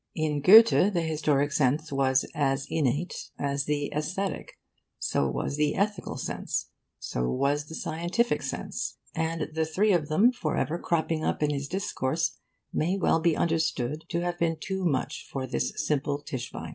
In Goethe the historic sense was as innate as the aesthetic; so was the ethical sense; so was the scientific sense; and the three of them, forever cropping up in his discourse, may well be understood to have been too much for the simple Tischbein.